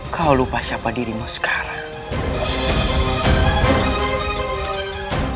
kau lupa siapa dirimu sekarang